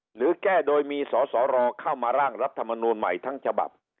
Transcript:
หรือแก้โดยมีสสรเข้ามาร่างรัฐมนูลใหม่ทั้งฉบับ